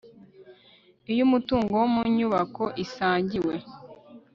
Iyo umutungo wo mu nyubako isangiwe